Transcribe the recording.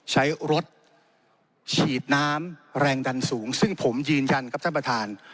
ใช้รถฉีดน้ำแรงดันสูงซึ่งผมยืนยันครับท่านประธาน